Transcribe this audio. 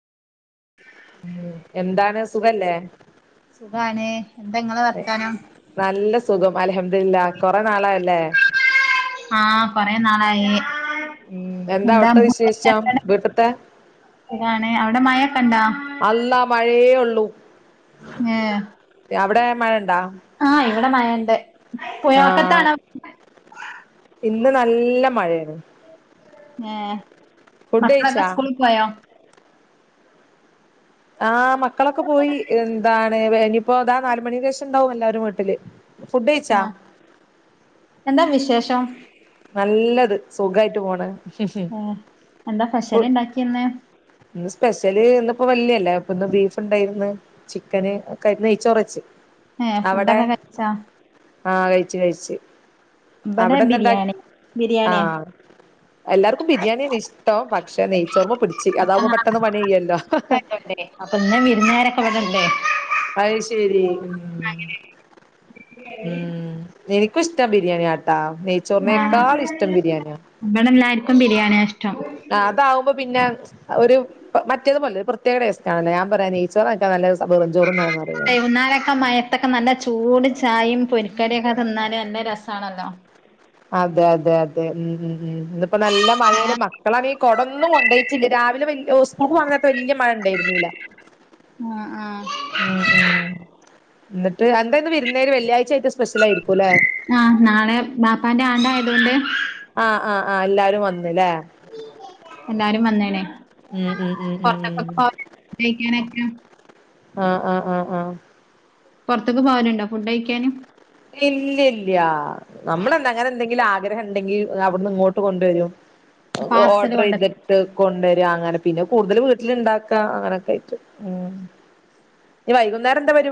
എന്താണ് സുഖല്ലേ സുഖാണ് എന്താ ഇങ്ങളെ വർത്താനം നല്ല സുഖം അൽഹമ്ദിരില്ല കൊറേ നാളായല്ലേ ആഹ് കൊറേ നാളായി ഉം എന്താ അവ്ട്തെ വിശേഷം വീട്ട്ത്തെ സുഖാണ് അവിടെ മഴൊക്കെണ്ടോ അള്ളാ മയേ ഒള്ളൂ ഏഹ് മഴണ്ടാ ആഹ് ഇവിടെ മയണ്ട് ആഹ് പുഴവക്കത്താണ് ഇന്ന് നല്ല മഴേണ് ഏഹ് ഫുഡ് മക്കളൊക്കെ കഴിച്ചാ സ്കൂളിൽ പോയോ ആഹ് മക്കളൊക്കെ പോയി എന്താണ് വേ ഇനിപ്പോ താ നാലുമണിൻ്റേഷം ഉണ്ടാവും എല്ലാരും വീട്ടില് ഫുഡ്ഡ് കഴിച്ചാ ആഹ് എന്താ വിശേഷം നല്ലത് സുഖായിട്ട് പോണ് ഉം എന്താ പെഷ്യൽ ഇണ്ടാക്കിന്ന് ഇന്ന് സ്പെഷ്യല് ഇന്നിപ്പോ വള്ളിയല്ലേ അപ്പൊ ഇന്ന് ബീഫ്ണ്ടായിന്ന് ചിക്കന് ഒക്കെ നെയ്ച്ചോറച്ച് ഏഹ് അവടെ ഫുഡൊക്കെ കഴിച്ചോ ആഹ് കഴിച്ച് കഴിച്ച് ബ്ടെ ബിരിയാണി ബിരിയാണിയാ ആഹ് എല്ലാർക്കും ബിരിയാണി ആണ് ഇഷ്ടം പക്ഷെ നെയ്ച്ചോർമ്മ പിടിച്ച് അതാവുമ്പോ പെട്ടെന്ന് പണിയ്യല്ലോ [unintelligible] അപ്പൊ ഇന്ന് വിരുന്നേരൊക്കെ ഇവിടെണ്ടെ അയ് ശരി ഉം അങ്ങനേണ് ഉം എനിക്കും ഇഷ്ടം ബിരിയാണിയാട്ടാ നെയ്ച്ചോറിനേക്കാളും ഇഷ്ടം ബിരിയാണിയാ ബ്ടെ എല്ലാർക്കും ബിരിയാണിയാ ഇഷ്ടം ആഹ് അതാവുമ്പൊ പിന്നെ ആഹ് ഒരു മറ്റേത് പോലെ ഒരു പ്രത്യേക ടേസ്റ്റാണല്ലേ ഞൻ പറയാ നൈച്ചോറാര്കാവാണ്ടി [unintelligible] വെറും ചോറ് തിന്നാറയും നാളൊക്കെ മഴേ ഇതൊക്കെ നല്ല ചൂട് ചായയും പൊരിക്കടിയൊക്കെ തിന്നാല് നല്ല രസാണല്ലോ അതെ അതെ അതെ ഉം ഉം ഉം ഇന്ന്പ്പോ നല്ല മഴേണ് ആഹ് മക്കളാണേ കൊടൊന്നും കൊണ്ടയി ട്ടില്ല രാവിലെ വല്ലൃ സ്കൂൾക് പോണെനേരത്ത് വല്ലൃ മഴ ഇണ്ടേരിന്നില്ലാ ആഹ് ആഹ് ഉം ഉം ന്നിട്ട് എന്തായന്ന് വിരുന്നേര് വെള്ളിയാഴ്ചായിട്ട് സ്പെഷ്യലായിരിക്കുംല്ലേ ആഹ് നാളെ ബാപ്പാന്റെ ആണ്ടായത് കൊണ്ട് ആഹ് ആഹ് ആഹ് എല്ലാരും വന്നുലേ എല്ലാരും വന്നേണേ ഉം ഉം ഉം ഉം ഉം പൊറ്തൊ [unintelligible] ക്കെ ആഹ് ആഹ് ആഹ് ആഹ് പൊറത്ത്ക്ക് പോവലുണ്ടോ ഫുഡ്ഡൈഴിക്കാന് ഇല്ലി ഇല്ല്യാ നമ്മളെന്താ അങ്ങനെന്തെങ്കിലും ആഗ്രഹണ്ടെങ്കിൽ അവിടുന്ന് ഇങ്ങോട്ട് കൊണ്ടുവരും പാർസല് കൊണ്ട ഓർഡ്രൈത് ട്ട് കൊണ്ട് വരാ അങ്ങനെ പിന്നെ കൂടുതൽ വീട്ടില്ണ്ടാക്കാ അങ്ങനൊക്കായിട്ട് ഉം ഇനിവൈകുന്നേരം എന്താ പരു